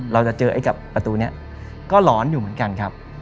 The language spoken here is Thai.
เราจะเจอไอ้กับประตูนี้ก็ร้อนอยู่เหมือนกันครับ